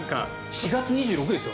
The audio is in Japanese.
４月２６日ですよ